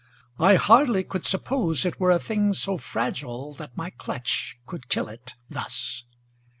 I hardly could suppose It were a thing so fragile that my clutch Could kill it, thus.